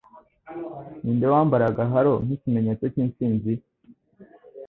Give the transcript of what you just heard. ninde wambaraga halo nk'ikimenyetso cy'intsinzi